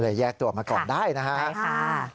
ก็เลยแยกตัวมาก่อนได้นะคะ